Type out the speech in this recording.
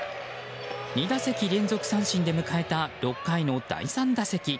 ２打席連続三振で迎えた第６打席。